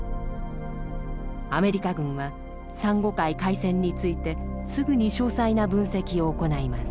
アメリカ軍は珊瑚海海戦についてすぐに詳細な分析を行います。